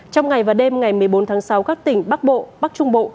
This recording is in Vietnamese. trong ngày và đêm ngày một mươi bốn tháng sáu các tỉnh bắc bộ bắc trung bộ